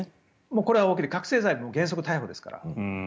これは覚醒剤は原則逮捕ですから。